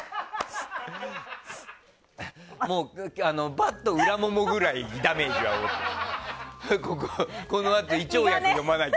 もう、バット裏ももぐらいダメージが大きい。